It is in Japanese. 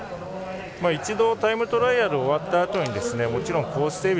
一度、タイムトライアルが終わったあとにもちろんコース